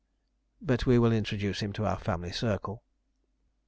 But we will introduce him to our family circle.